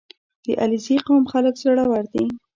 • د علیزي قوم خلک زړور دي.